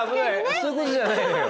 そういう事じゃないのよ」。